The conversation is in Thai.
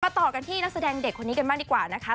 ต่อกันที่นักแสดงเด็กคนนี้กันบ้างดีกว่านะคะ